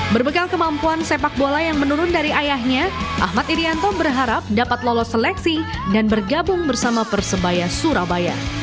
berbekal kemampuan sepak bola yang menurun dari ayahnya ahmad irianto berharap dapat lolos seleksi dan bergabung bersama persebaya surabaya